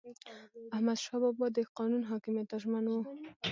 احمدشاه بابا د قانون حاکمیت ته ژمن و.